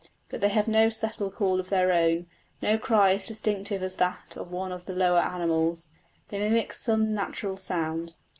But they have no settled call of their own, no cry as distinctive as that of one of the lower animals. They mimic some natural sound.